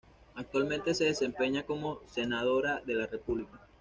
Actualmente se desempeña como senadora de la República.